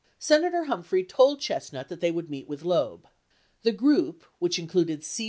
Senator Humphrey told Chestnut that they would meet with Loeb. The group, which included C.